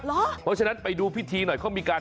เพราะฉะนั้นไปดูพิธีหน่อยเขามีการ